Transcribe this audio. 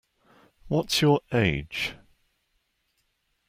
What's your age?